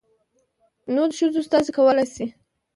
نود ښځو استازي کولى شي.